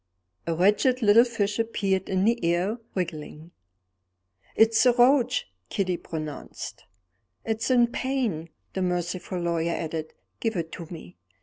A wretched little fish appeared in the air, wriggling. "It's a roach," Kitty pronounced. "It's in pain," the merciful lawyer added; "give it to me."